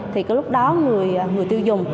thì cái lúc đó người tiêu dùng